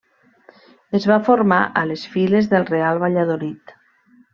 Es va formar a les files del Real Valladolid.